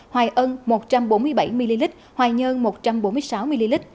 hoài ân một trăm bốn mươi bảy ml hoài nhơn một trăm bốn mươi sáu ml